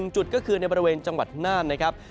จุดก็คือในบริเวณจังหวัดน่านนะครับ